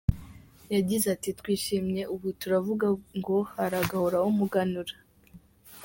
Yagize ati “Twishimye, ubu turavuga ngo haragahoraho umuganura.